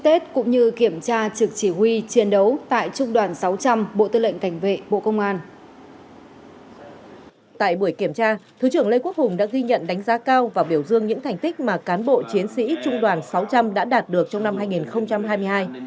tại buổi kiểm tra thứ trưởng lê quốc hùng đã ghi nhận đánh giá cao và biểu dương những thành tích mà cán bộ chiến sĩ trung đoàn sáu trăm linh đã đạt được trong năm hai nghìn hai mươi hai